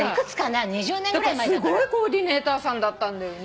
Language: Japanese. だからすごいコーディネーターさんだったんだよね。